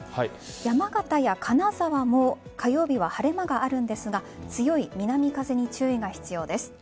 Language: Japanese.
山形や金沢も火曜日は晴れ間があるんですが強い南風に注意が必要です。